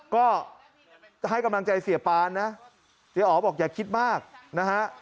ก็ให้กำลังใจเสียปานนะเสียอ๋อบอกอย่าคิดมากนะฮะ